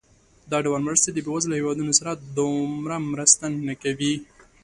دا ډول مرستې د بېوزله هېوادونو سره دومره مرسته نه کوي.